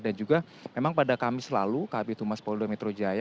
dan juga memang pada kamis lalu kab tumas polda metro jaya